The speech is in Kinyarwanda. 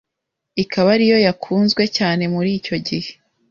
ikaba ariyo yakunzwe cyane muri icyo gihe